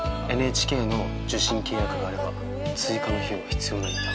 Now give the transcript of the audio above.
ＮＨＫの受信契約があれば追加の費用は必要ないんだ。